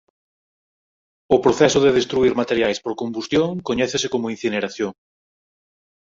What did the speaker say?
O proceso de destruír materiais por combustión coñécese como incineración.